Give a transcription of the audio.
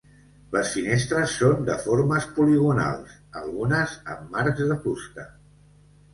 Les finestres són de formes poligonals, algunes amb marcs de fusta.